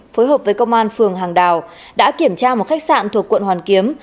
phối hợp với công an phường hàng đào đã kiểm tra một khách sạn thuộc quận hoàn kiếm